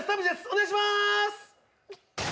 お願いします。